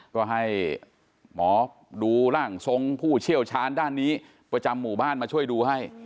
ก็ให้หมอดูร่างทรงผู้เชี่ยวชาญด้านนี้ประจำหมู่บ้านมาช่วยดูให้